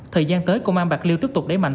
thời gian tới công an bạc liêu tiếp tục đẩy mạnh